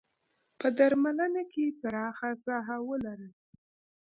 په درملنه کې پراخه ساحه ولري.